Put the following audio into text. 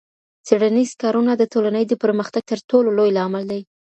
څېړنیز کارونه د ټولني د پرمختګ ترټولو لوی لامل دی.